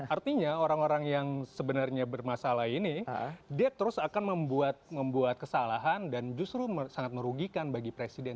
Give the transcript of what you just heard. artinya orang orang yang sebenarnya bermasalah ini dia terus akan membuat kesalahan dan justru sangat merugikan bagi presiden